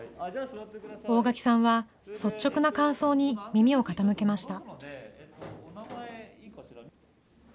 大墻さんは、率直な感想に耳を傾けました。